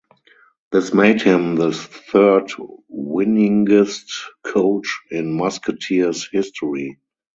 This made him the third winningest coach in Musketeers’ history.